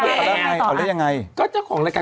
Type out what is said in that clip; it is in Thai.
เอาเล่นยังไงก็เจ้าของรายการ